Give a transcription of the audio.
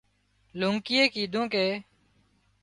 لونڪيئي ڪيڌون ڪي